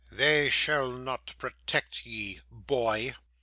'They shall not protect ye boy!